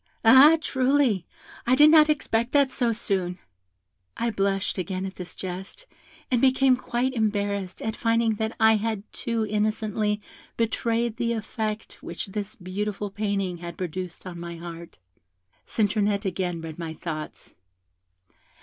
Ah! truly, I did not expect that so soon.' I blushed again at this jest, and became quite embarrassed at finding that I had too innocently betrayed the effect which this beautiful painting had produced on my heart. Citronette again read my thoughts.